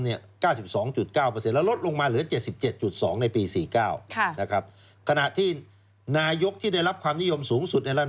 แล้วลดลงมาเหลือ๗๗๒ในปี๔๙